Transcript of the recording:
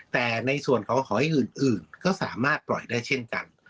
แต่ในส่วนของหอยอื่นก็สามารถปล่อยได้เช่นกัน